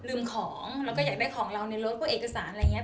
ของเราก็อยากได้ของเราในรถพวกเอกสารอะไรอย่างนี้